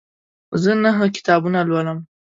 زه نهه کتابونه لولم.